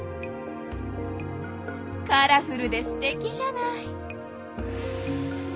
カラフルですてきじゃない。